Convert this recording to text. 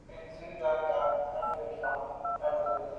Nyòóŋ bə̀ntcìn bə́ á ndàá ndàŋ ká bù fâ’ o bù gə́ fà’.